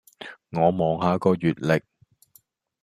我望下個月曆